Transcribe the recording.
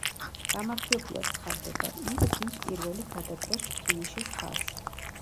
გამარჯვებულად ცხადდება ის ვინც პირველი გადაკვეთს ფინიშის ხაზს.